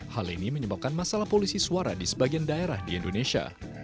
hal ini menyebabkan masalah polisi suara di sebagian daerah di indonesia